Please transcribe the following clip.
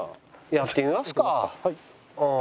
やってみますかうん。